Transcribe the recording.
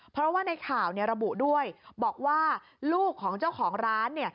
เพราะว่าในข่าวระบุด้วยบอกว่าลูกของเจ้าของร้านเนี่ย